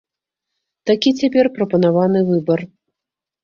Такі цяпер прапанаваны выбар.